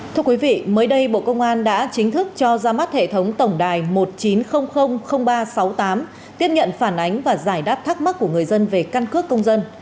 thưa quý vị mới đây bộ công an đã chính thức cho ra mắt hệ thống tổng đài một nghìn chín trăm linh ba trăm sáu mươi tám tiếp nhận phản ánh và giải đáp thắc mắc của người dân về căn cước công dân